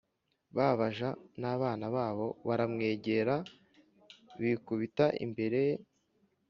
Ba baja n abana babo baramwegera bikubita imbere ye